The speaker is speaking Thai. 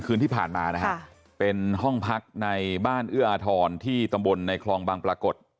คืนที่ผ่านมานะฮะเป็นห้องพักในบ้านเอื้ออาทรที่ตำบลในคลองบางปรากฏ